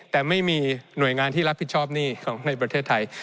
แต่ไม่มีหน่วยงานที่รับผิดชอบหนี้ของในประเทศไทย